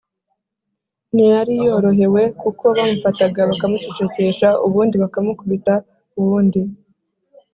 ntiyari yorohewe kuko bamufataga bakamucecekesha, ubundi bakamukubita, ubundi